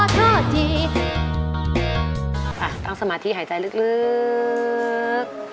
ตั้งสมาธิหายใจลึก